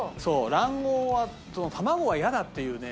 卵黄は卵が嫌だっていうね